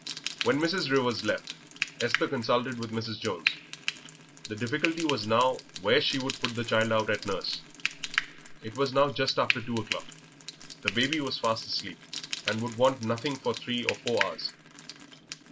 When Mrs. Rivers left, Esther consulted with Mrs. Jones. The difficulty was now where she should put the child out at nurse. It was now just after two o'clock. The baby was fast asleep, and would want nothing for three or four hours.